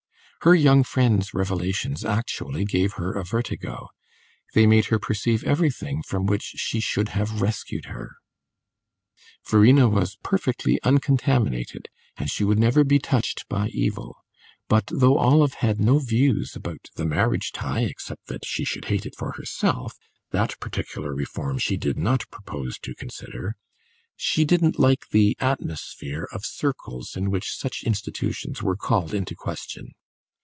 Her young friend's revelations actually gave her a vertigo; they made her perceive everything from which she should have rescued her. Verena was perfectly uncontaminated, and she would never be touched by evil; but though Olive had no views about the marriage tie except that she should hate it for herself that particular reform she did not propose to consider she didn't like the "atmosphere" of circles in which such institutions were called into question.